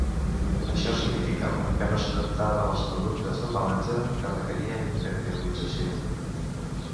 Això significava que no s'adaptava als productes d'embalatge que requerien impermeabilització.